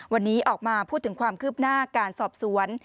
วันนี้ออกมาพูดถึงความคืบหน้าการสอบสวน